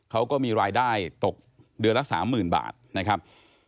เขาก็มีรายได้ตกเดือนละ๓๐๐๐บาทนะครับ